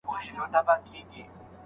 تاوده موضوعات د رسنيو سرټکي وي.